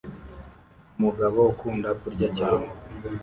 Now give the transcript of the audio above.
Umugabo ukunda kurya cyane